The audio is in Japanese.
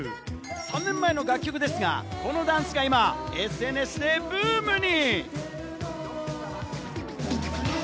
３年前の楽曲ですが、このダンスが今ＳＮＳでブームに！